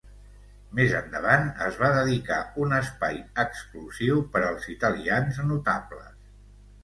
Més endavant es va dedicar un espai exclusiu per als italians notables.